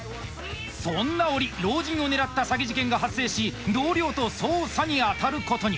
そんな折老人を狙った詐欺事件が発生し同僚と捜査に当たることに。